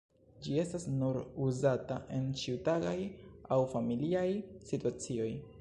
Ĝi estas nur uzata en ĉiutagaj aŭ familiaj situacioj.